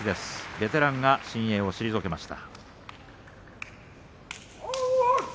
ベテランが新鋭を退けました。